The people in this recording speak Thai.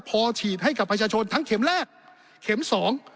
พอฉีดให้กับประชาชนทั้งเข็มแรกเข็มสอง